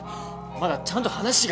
まだちゃんと話が。